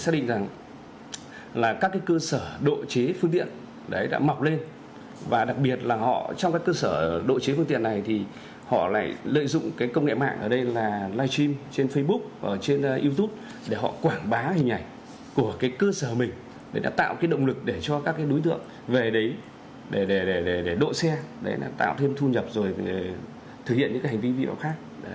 trong các cơ sở đội chế phương tiện này thì họ lại lợi dụng công nghệ mạng ở đây là live stream trên facebook và trên youtube để họ quảng bá hình ảnh của cơ sở mình để tạo động lực để cho các đối tượng về đấy để đội xe tạo thêm thu nhập rồi thực hiện những hành vi vị hoặc khác